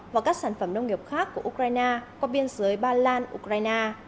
và các sản phẩm nông nghiệp khác của ukraine qua biên giới ba lan ukraine